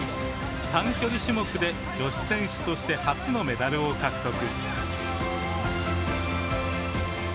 短距離種目で女子選手として初のメダルを獲得。